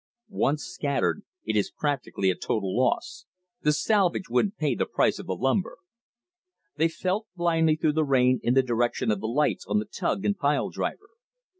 Once scattered, it is practically a total loss. The salvage wouldn't pay the price of the lumber." They felt blindly through the rain in the direction of the lights on the tug and pile driver.